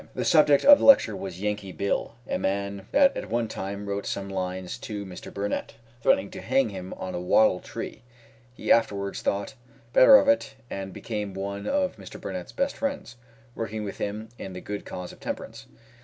The subject of the lecture was "Yankee Bill," a man that at one time wrote some lines to Mr. Burnett, threatening to hang him on a wattle tree. He afterwards thought better of it, and became one of Mr. Burnett's best friends, working with him in the good cause of temperance.